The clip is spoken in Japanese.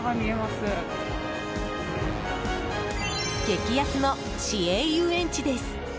激安の市営遊園地です。